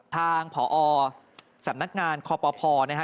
ทางผอสำนักงานคอปภนะฮะ